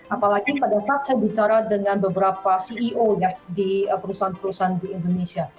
apalagi pada saat saya bicara dengan beberapa ceo di perusahaan perusahaan di indonesia